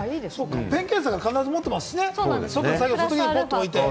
ペンケースなら必ず持ってますもんね。